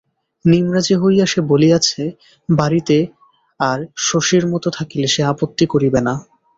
নিমরাজি হইয়া সে বলিয়াছে, বাড়িতে আর শশীর মত থাকিলে সে আপত্তি করিবে না।